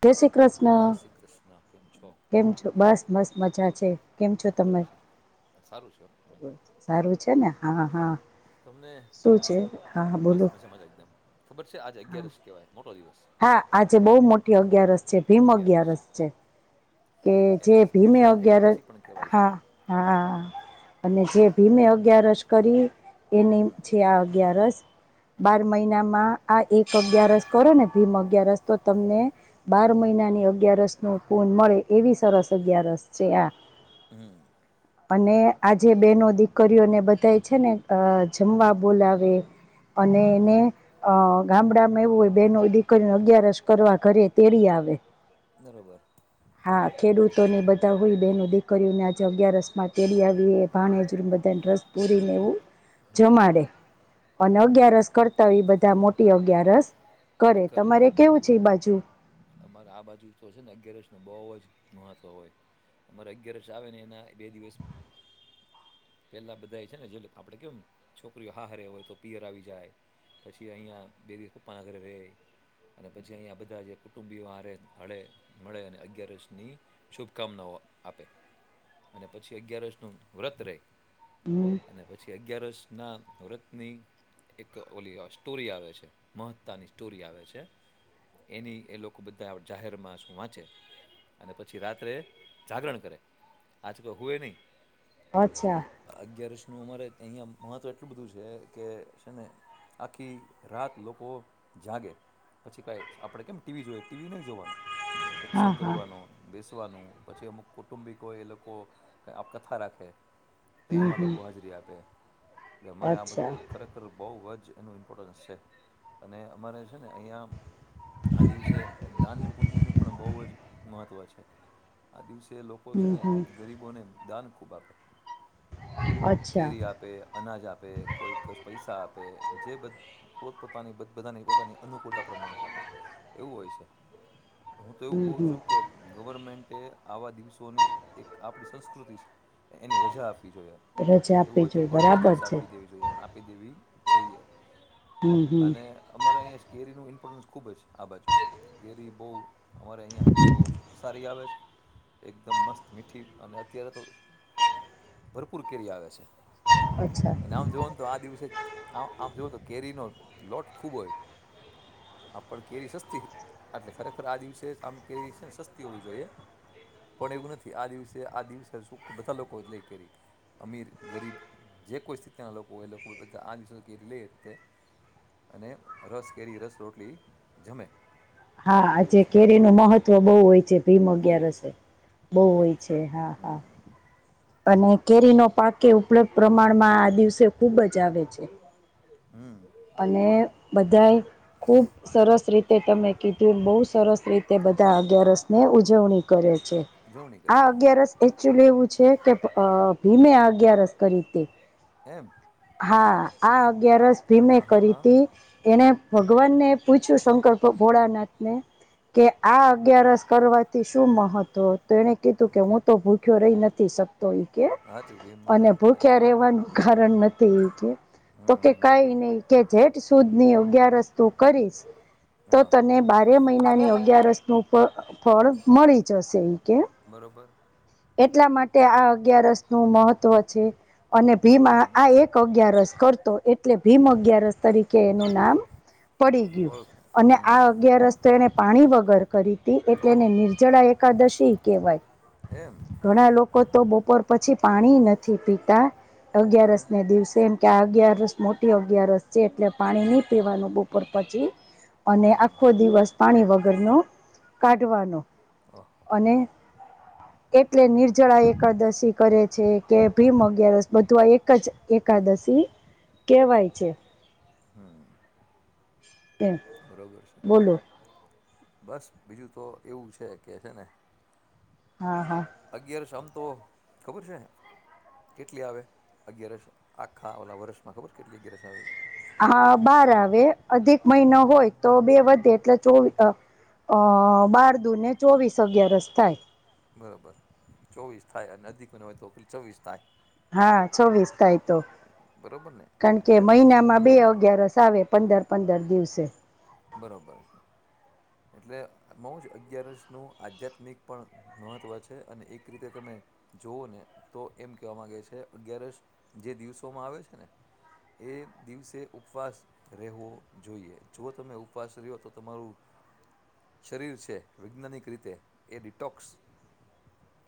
જય શ્રી કૃષ્ણ. કેમ છો? બસ મસ્ત મજા છે. કેમ છો તમે? સારું છે ને હા હા. શું છે હા બોલો. હા હા આજે બહુ મોટી અગિયારસ છે. ભીમ અગિયારસ છે. કે જે ભીમે અગિયાર હા હા અને જે ભીમે અગિયારસ કેરી એની છે આ અગિયારસ બાર મહિનામાં આ એક અગિયારસ કરો ને ભીમ અગિયારસ તો તમને બાર મહિનાની અગિયારસનું પૂન મળે એવી સરસ અગિયારસ છે આ હમ અને આજે બેનો દીકરીઓને બધાય છે ને અ જમવા બોલાવે અને એને અ ગામડા એવું હોય બનો દીકરી ન અગિયારસ કરવા ઘરે તેડી આવે બરોબર હા ખેડૂતો ની બધા હોય બહેન દીકરીઓને આજે અગિયારસ માં તેડી આવી એ ભાણેજ બધા ને રસ પૂરીને એવું જમાડે અને અગિયારસ કરતા એ બધા મોટી અગિયારસ કરે તમારે કેવું છે એ બાજુ મારે આ બાજુ તો છે ને અગિયાર રસ નુ બહુ જ મહત્વ હોય અમારે અગિયાર આવે ને એના બે દિવસ પેલા બધા છે ને જે આપડે કેમ છોકરીઓ હારે હોય તો પિયર આવી જાય પછી અહિયાયા બે કોપ્પા આગડ રહે અને પછી અહિયાયા બધા જે કુટુંબી મળે મળે અને અગિયારસની શુભકામનાઓ આપે અને પછી અગ્યયાર વર્ષ નું વ્રત રે હમ અને પછી અગિયારસ કૃષ્ણ વ્રતની એક ઓલી સ્ટોરી આવે છે મહત્તાની સ્ટોરી આવે છે એની એ લોકો બધા જાહેર માં શું વાંચે અને પછી રાત્રે જાગરણ કરે આજ કોઈ હુએય નહી અચ્છા નું અમારે અહિયાં મહત્વ એટલું બધું છે કે છે ને આખી રાત લોકો જાગે પછી કઈ આપણે કેમ ટીવી જોઈ ટીવી નઈ જોવાનું હા સત્સંગ હા કરવાનો પછી અમુક કુટુંબિકો એ લોકો કથા રાખે તો હમ એમાં હમ લોકો હાજરી આપે એટલે અમારે આ બાજુ અચ્છા તો ખરેખર બહુ હજ એનું ઇમ્પોર્ટન્સ છે અને અમારે છે ને અહીંયા આ દિવસે દાનં પુન્ય નું પણ બહુ જ મહત્વ છે આ દિવસે જે લોકો છે હમ ને હમ ગરીબોને દાન ખૂબ આપે અચ્છા કેરી આપે અનાજ આપે તે કોઈક પૈસા આપે જે પોત પોતાની બધાની પોતાની અનુકૂળતા પ્રમાણે આપે એવું હોય છે હું તો એવું હમ કહું હમ છું કે ગવર્મેન્ટે આવા દિવસોની એક આપણી સંસ્કૃતિ છે એની રજા આપવી જોઈએ રજા આપી જોઈ બરાબર છે આપી દેવી જાઈએ હમ હમ અને અમારે કેરીનુ ખૂબ જ આ બાજુ કેરી બહુ અમારે અહિયાં બહુ સારી આવે છે એકદમ મસ્ત મીઠી અને અત્યારે તો ભરપૂર કેરી આવે છે અચ્છા અને આમ જોવનું તો આ દિવસે આમ આમ જોવો તો કેરીનો લોટ ખુબ હોય આપ પણ કેરી સસ્તી એટલે ખરેખર આ દિવસે આમ કેવી છે ને સસ્તી હોવી જોઈએ પણ એવું નથી આ દિવસે આ દિવસે બધા લોકો એટલે કેરી અમીર ગરીબ જે કોઈ સ્થિતિના લોકો એ લોકો બધા આ દિવસો કેરી લેતે અને રસ કેરી રસ રોટલી જમે હા આજે કેરી ન મહત્વ બહુ હોય છે ભીમ અગયારસે બહુ હોય છે હા હા અને કેરી ન પાકે એ ઉપલબ્ધ પ્રમાણમાં આ દિવસે ખુબ જ આવે છે અને બધા ખુબ સરસ રીતે તમે કીધું બહુ સરસ રીતે બધા અગિયારસ ને ઉજવણી કરે છે આ અગિયારસ એચ્યુ લેવું છે કે ભીમે અગિયારસ કરી તી એમ હા આ અગયારસ ભીમે કરી તી એને ભગવાનને પૂછ્યું શંકર ભોળાનાથને કે આ અગિયારસ કરવાથી શું મહત્વ તો એને કીધું કે હું તો ભૂખ્યો રહી નથી શકતો કે અને ભૂખ્યા રહેવાનું કારણ નથી એ કે તો કે કેઈ કે જેટ સુદની અગયારસ તુ કરીશ તો તને બારે મહિનાની અગિયારસ નું ફળ મળી જશે કે બરોબર [inaudible] એટલા માટે આ અગિયારસ નું મહત્વ છે અને ભીમા આ એક અગિયારસ કરતો એટલે ભીમ અગિયારસ તરીકે એનું નામ પડી ગયું અને આ અગિયારસ તો એને પાણી વગર કરી હતી એટલે એને નિર્જળાએકાદશ તી કેવાય ઘણા લોકો તો બપોર પછી પાણી નથી પીતા અગિયારસ ને દિવસે એમ કે અગિયારસ મોટી અગિયારસ છે એટલે પાણી નહી પીવાનું બપોર પછી અને આખો દિવસ પાણી વગરનો કાઢવાનો અને [inaudible] એટલે નિર્જળા એકાદશી કરે છે કે ભીમ અગિયારસ બધું આ એક જ એકાદશ શી કહેવાય છે હમ એ બોલો બસ બીજું તો એવું છે કે છે ને હા હા અગિયારસ આમ તો ખબર છે કેટલી આવે અગિયારસ આખા ઓલા વરષમાં ખબર કેટલી અગિયારસ આવે હા બાર આવે અધિક મહિનો હોય તો બે વધે એટલે ચોવી અ અ બાર દુ ને ચોવીસ અગયારસ થાય બરોબર ચોવીસ થાય અને અધિકને હોય તો ચોવીસ થાય હા ચોવીસ તાય તો કારણ કે મહિનામાં બે અગયારસ આવે પંદર પંદર દિવસે બરોબર એટલે એમાં હું છે અગિયારસનું આધ્યાત્મિક પણ મહત્વ છે અને એક રીતે તમે જોવ ને તો એમ કેવા માંગે છે અગયારસ જે દિવસોમાં આવે છે ને એ દિવસે ઉપવાસ રહેવો જોઈએ જો તમે ઉપવાસ રહ્યો તો તમારું શરીર છે વૈજ્ઞાનિક રીતે એ ડિટોક્સ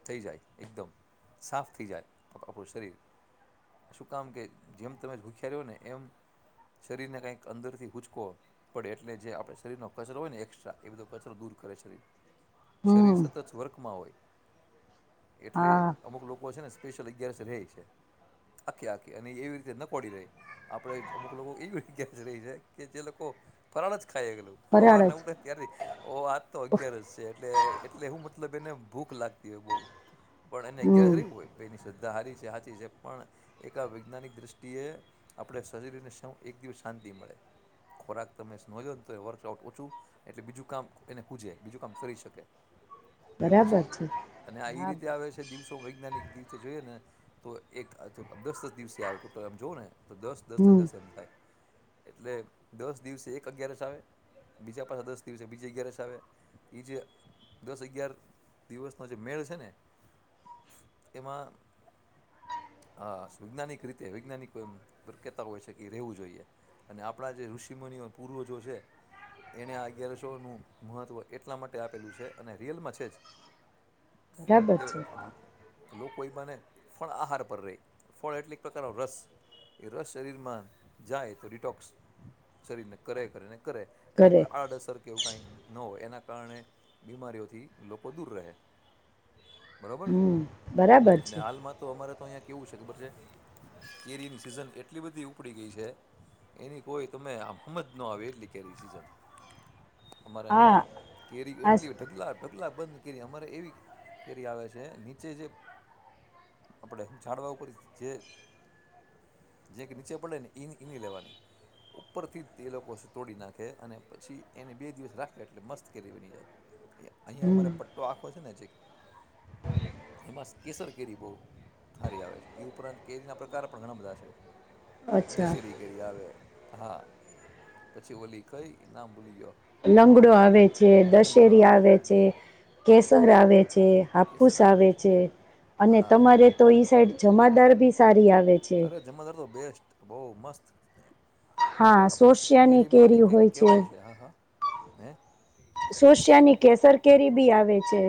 થઈ જાય એકદમ સાફ થઈ જાય આપડુ શરીર શું કામ કે જેમ તમે ભૂખ્યા રહો ને એમ શરીર ને કઈક અંદર થી હુચકો પડે એટલે જે આપડે શરીરનો કચરો હોય ને એકક્સ્ટ્રા એ બધો કચરો દૂર કરે શરીર શરીર હમ સતત વર્ખમાં હોય એટલે હા અમુક લોકો છે ને સલી અગિયારસે રહે છે આખી આખી અને એવી રીતે નકોડી રહે આપડે અમુક લોકો એવી [unintelligible] રહી છે કે જે લોકો ફરાળ જ ખાયા કરે હવાર ફરાળ ના જ ઉડે ત્યારથી ઓ આજ તો અગિયારસ છે એટલે એટલે હું મત મતલબ એને ભૂખ લાગતી હોય બહુ પણ એને હમ અગિયારસ હોય તેની સ હારી છે હાચી છે પણ એક વૈજ્ઞાનિક દ્રષ્ટિએ આપડે શરીરને એક દિવસ શાં તી મળે ખોરાક તમેને તો વર્કઆઉટ ઓછું એટલે બીજું કામ એને ખુજે બીજું કામ કરી શકે એવું છે અને એ હા રીતે આવે છે દિવસો વૈજ્ઞાનિક દ તે જોઈએ ને તો એક દસ દસ દિવસે આવે ટોટલમ જોઓ ને તો દસ દસ ને હમ દસ એમ થાય એટલે દસ દિવસે એક અગિયારસ આવે બીજા પાછ દસ દિવસે બીજા અગિયારસ આવે એ જે દસ અગિયાર દિવસનોો જે મેળ છે ને એમાં હા વૈજ્ઞાનિક રીતે વૈજ્ઞાનિક એમ કતા હોય છે કે રેવું જોઈએ અને આપડા જે ઋષિમનિઓ પૂર્વજો છે એને આ અગિયારસો ન મહત્વ એટલા માટે આપેલું છે અને રિયલમાં છે જ બરાબર કે છે અલ લોકો એ બને ફળ આહાર પર રહે ફળ એટલે એક પ્રકારનો રસ એ રસ શરીરમાં જાય તો રિટોક્સ શરીરને કરે કરેને કરે એની ઘરે કોઈ આડઅસર કે એવું કઈ ન હોય એના કારણે બીમારીઓથી લોકો દૂર રહે બરોબર હમ બરાબર અને છે હાલમાં તો અમારે તો અહીં કેવું છે ખબર છે કેરીની સિઝન એટલી બધી ઉપડી ગઈ છે એની કોઈ તમેમદ નો આવ એટલી કેિન અમારે હા અહિયાં કેરી આ એટલી ઢગલા પટલા બંધ કેરી અમારે એવી કેરી આવે છે નીચે જે આપણેે હું જાાડવા પરિસ્થિતિ છે જે નીચે પડે ને ઈ ઈની લેવાની ઉપરથી જ એ લોકો તોડી નાખે અને પછી એને બે દિવસ રાખે એટલે મસ્ત કેરી બની જાય અહિયાં અમારે હમ પટ્ટો આખો છે ને જે એમાં કેસર કેરી બહુ હારી આવે છે ઉપરાંત કેરીના પ્રકાર પણ ઘણા બધા છે અચ્છા દશેરી ઘેરી આવે હા પછી ઓલી કઈ નામ ભૂલી ગયો લંગડો આવે છે દશેરી આવે છે કેસર આવે છે હાપુસ આવે છે અને તમારે તો ઈ સાઈડ જમાદાર બી સારી આવે છે અરે જમાદાર તો બેસ્ટ બહ મસ્ત હા શોશિયા ની કેરી હોય છે. શોશિયાની કેસર કેરી બી આવે છે.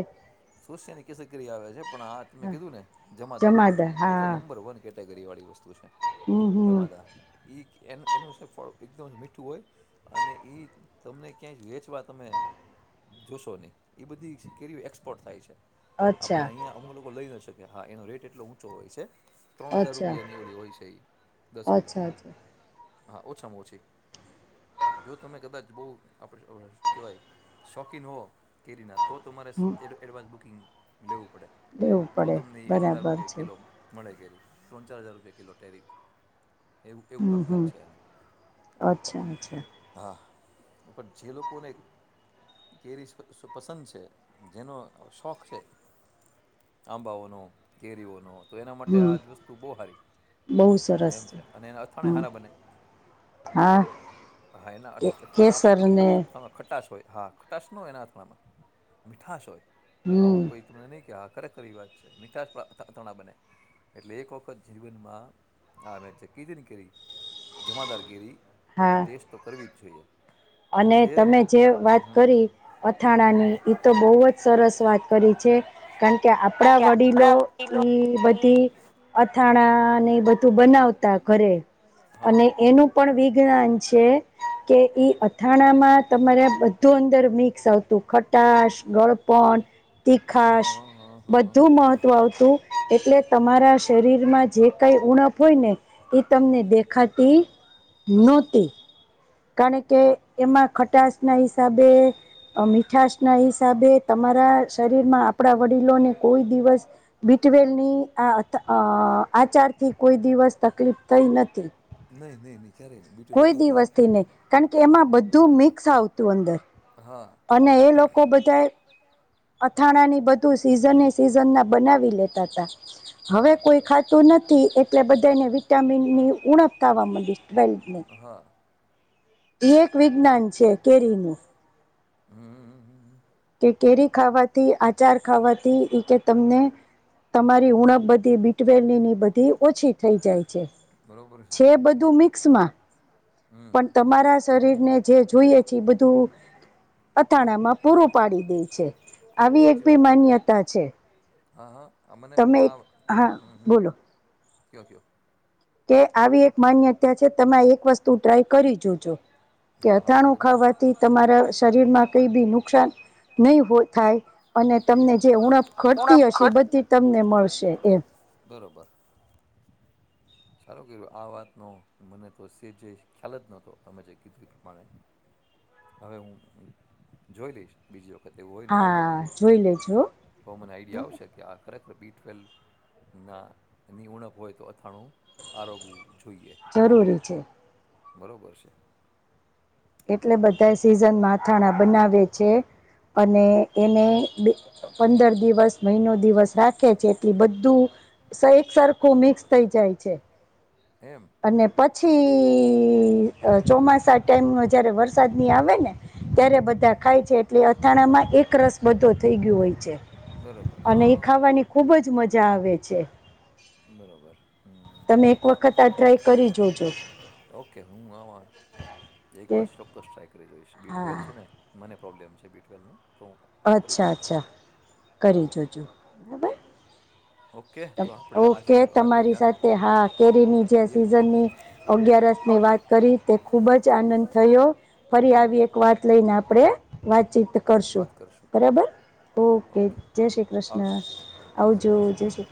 સોશિયાની કેસર કેરી આવે છે, પણ આ તમે હા કીધું ને જમાદાન, જમાદાર એ તો હા નંબર વન કેરી કેટેગરી વાળી વસ્તુ છે. હમ હમ જમાદાન ઈ એન એનું શ્રીફળ એકદમ મીઠું હોય, અને ઈ તમને ક્યાંય વેચવા તમે જોશો નહીં, ઈ બધી જ કેરીયું એક્સ પોર્ટ થાય છે. આપણે અચ્છા અહીંયા અમુક લોકો લઈ ન શકે. હા એનો રેટ એટલો ઊંચો હોય છે. ત્રણ હજાર અચ્છા રૂપિયાની ઓલી હોય છે ઈ દસ કિલો. અચ્છા અચ્છા હા. ઓછામાં ઓછી. જો તમે કદાચ બહું આપડે હું કેવાય, શોખીન હોવ કેરીના તો તમારે હમ [unintelligible] બુકિંગ લેવું પડે, લેવું તો પડે તમને એટલા બરાબર રૂપિયા છે કિલો મળે કેરી. ત્રણ ચાર હજાર રૂપિયા કિલો ટેરી હમ્મ-હમ્મ, અચ્છા-અચ્છા. એ પણ જે લોકોને કેરીઝ પસંદ છે, જેનો શોખ છે આંબાઓનો, કેરીઓનો તો એના માટે હમ આજ વસ્તુ બહુ હારી બહુ છે, સરસ એમ છે. અને એના અથાણાંય હમ હારા બને. હા. હા એના કે અટ અથાણાં આપણે કેમ કેસરને [unintelligible] ખટાશ હોય, હા ખટાશ ન હોય એના આથણામાં. મીઠાશ હોય, હમ આવું કંઈક નું નહીં કે આ ખરેખર એવી વાત છે. મીઠાશમાં અથાણા બને. એક વખત જીવનમાં આવે છે. ચકી કેરી, જમાદાર કેરી હા ટેસ્ટ તો કરવી જ જોઈએ. અને તમે જે વાત કરી અથાણાની ઇ તો બહુવજ સરસ વાત કરી છે, કારણ કે આપણા કે વડીલો આપડા વડીલો ઈ ઈ બધી અથાણા ને એ બધું બનાવતા ઘરે અને એનું પણ વિજ્ઞાન છે કે ઈ આથાણામાં તમારે બધું અંદર મિક્સ આવતું ખટાશ, ગળપણ તીખાસ, બધું મહત્વ આવતું એટલે તમારા શરીરમાં જે કઈ ઉણપ હોય ને, તમને દેખાતી નોતી, કારણ કે એમાં ખટાશ ના હિસાબે, મીઠાશના હિસાબે તમારા શરીરમાં આપણા વડીલોને કોઈ દિવસ બી ટ્વેલવની આચારથી કોઈ દિવસ તકલીફ નથી થઈ નથી. કોઈ દિવસથી નહી, કારણ કે એમાં બધું મિક્સ આવતું અંદર અને એ લોકો બધાય અથાણાની બધું સિઝને સિઝન ના બનાવી લેતાતા. હવે કોઈ ખાતું નથી, એટલે બધાને વિટામિનની ઉણપ થાવા મંડી. એ એક વિજ્ઞાન છે કેરીનું. [inaudible] કે કેરી ખાવાથી આચાર ખાવાથી એ કે તમને તમારી ઉણપ બધી બી ટ્વેલવની બધી ઓછી થઈ જાય. છે બધું મિક્સમાં પણ તમારા શરીરને જે જોઈએ છે એ બધું અથાણામાં પૂરું પાડી છે આવી એક ભી માન્યતા છે. હા હા તમે એક, હા બોલો [unintelligible] કે આવી એક માન્યતા છે તમે એક વસ્તુ ટ્રાય કરી જોજો કે અથાણું ખાવાથી તમારા શરીરમાં કઈ બી નુકસાન નહી થાય અને તમને જે ઉણપ ઉણપ ઘટતી હશે એ ખર્ચ બધી તમને મળશે એમ, સારૂં કેવાય. આ વાતનો મને તો કસેજય ખ્યાલ જ નહોતો અમે જે કીધું એ પ્રમાણે હવે હું જોઈ લઈશ બીજી હા જોઈ લેજો હો, બી ટ્વેલવની ઉણપ હોય તો અથાણું આરોગવું જરૂરી છે. બરોબર છે. એટલે બધા સિઝનમાં અથાણા બનાવે છે. અને એને પંદર દિવસ મહિનો દિવસ રાખે છે જેથી બધું સહેજ સરખું મિક્સ થઈ જાય છે. અને પછી ચોમાસા ટાઈમ જયારે વરસાદની આવેને ત્યારે બધા ખાય છે એટલે અથાણામાં એક રસ બધો થઈ ગયો હોય અને એ ખાવાની ખુબ જ મજા આવે છે. તમે એક વખત આ ટ્રાય કરી જોજો. એક કે વાર ચોક્કસ ટ્રાય કરી જોઈશ. બી ટ્વેલ હા છે ને મને પ્રોબ્મ બી ટ્વેલનું અચ્છા અચ્છા કરી જોજો બરાબર. ઓકે તમારી સાથે હા કેરીની જે સીઝનની અગારે વાત કરી તે ખૂબ જ આનંદ થયો ફરી આવી એક વાત લઈને આપણે વાતચીત કરશું. બરાબર? ઓકે જય શ્રી કૃષ્ણ આવજો જય શ્રીષ્ણ.